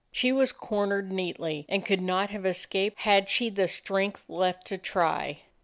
She was cornered neatly and could not have es caped had she the strength left to try.